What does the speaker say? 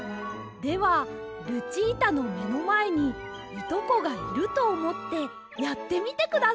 ではルチータのめのまえにいとこがいるとおもってやってみてください。